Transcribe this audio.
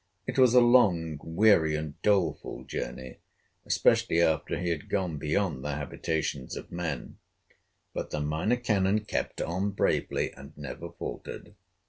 It was a long, weary, and doleful journey, especially after he had gone beyond the habitations of men, but the Minor Canon kept on bravely, and never faltered.